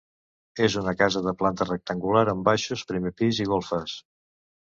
És una casa de planta rectangular amb baixos, primer pis i golfes.